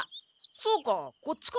そうかこっちか。